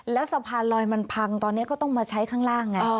แล้วสะพานลอยมันพังตอนนี้ก็ต้องมาใช้ข้างล่างไง